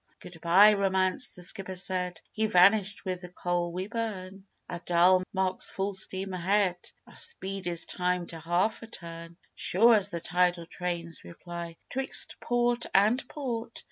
"Good bye, Romance!" the Skipper said; "He vanished with the coal we burn; Our dial marks full steam ahead, Our speed is timed to half a turn. Sure as the tidal trains we ply 'Twixt port and port.